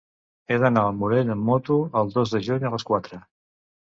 He d'anar al Morell amb moto el dos de juny a les quatre.